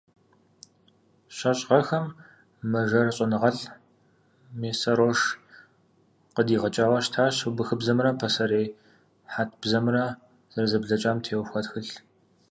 ЩэщӀ гъэхэм мэжэр щӀэныгъэлӀ Мессарош къыдигъэкӀауэ щытащ убыхыбзэмрэ пасэрей хьэт бзэмрэ зэрызэблагъэм теухуа тхылъ.